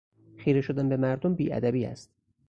خیرهشدن به مردم بی ادبی است.